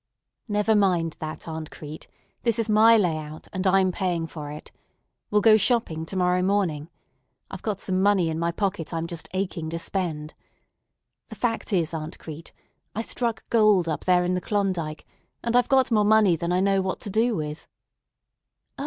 "Never mind that, Aunt Crete; this is my layout, and I'm paying for it. We'll go shopping to morrow morning. I've got some money in my pocket I'm just aching to spend. The fact is, Aunt Crete, I struck gold up there in the Klondike, and I've got more money than I know what to do with." "O!"